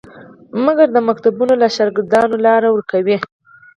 مګر د ښوونځیو له شاګردانو لاره ورکوي.